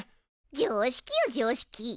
常識よ常識。